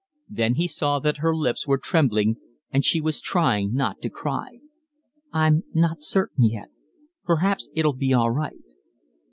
Then he saw that her lips were trembling, and she was trying not to cry. "I'm not certain yet. Perhaps it'll be all right."